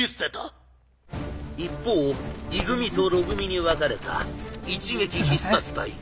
一方い組とろ組に分かれた一撃必殺隊。